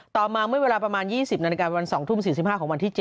ต่อมาเมื่อเวลาประมาณ๒๐นวัน๒ทุ่ม๔๕ของวันที่๗